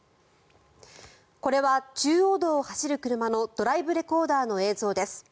これは中央道を走る車のドライブレコーダーの映像です。